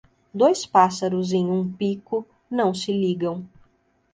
Dois pássaros em um pico não se ligam.